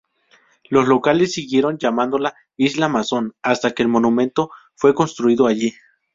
Los locales siguieron llamándola "Isla Mason" hasta que el monumento fue construido allí.